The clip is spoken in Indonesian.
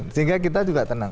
sehingga kita juga tenang